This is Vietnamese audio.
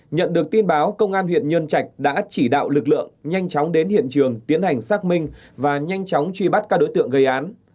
nhận được tin báo công an huyện nhân trạch đã chỉ đạo lực lượng nhanh chóng đến hiện trường tiến hành xác minh và nhanh chóng truy bắt các đối tượng gây án